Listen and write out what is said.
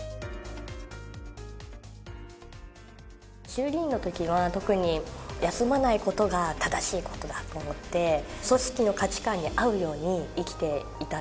衆議院の時は特に休まない事が正しい事だと思って組織の価値観に合うように生きていた。